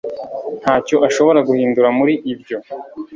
Ntacyo ashobora guhindura muri ibyo;